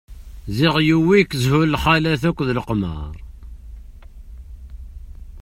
Ziɣ yewwi-k zhu n lxalat akked leqmeṛ.